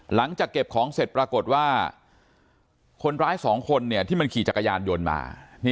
หลังจากเก็บของเสร็จปรากฏว่าคนร้าย๒คนที่มันขี่จักรยานยนต์มา